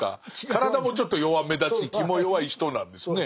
体もちょっと弱めだし気も弱い人なんですね。